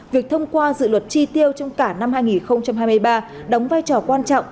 việc thông qua dự luật chi tiêu trong cả năm hai nghìn hai mươi ba đóng vai trò quan trọng